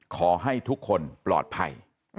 ขอให้ทุกคนปลอดภัย